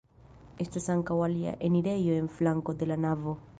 Estas ankaŭ alia enirejo en flanko de la navo.